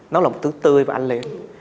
nó là một thứ tươi và ăn liền